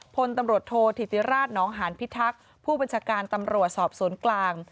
พลตำรวจโทษธิติราชนองหานพิทักษ์ผู้บัญชาการตำรวจสอบสวนกลาง